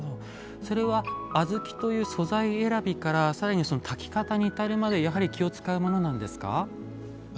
それは小豆という素材選びから更に炊き方に至るまでやはり気を遣うものなんですか？